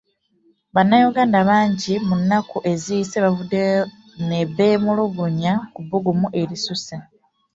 Bannayuganda bangi mu nnaku eziyise bavuddeyo ne beemulugunya ku bbugumu erisusse.